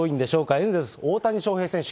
エンゼルス、大谷翔平選手。